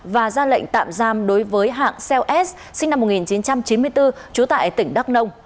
và ra lệnh tạm giam đối với hạng xeo s sinh năm một nghìn chín trăm chín mươi bốn trú tại tỉnh đắk nông